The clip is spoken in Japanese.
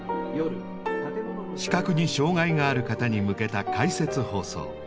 視覚に障害がある方に向けた「解説放送」。